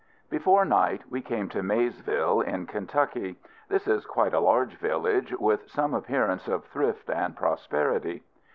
Before night we came to Maysville, in Kentucky. This is quite a large village, with some appearance of thrift and prosperity.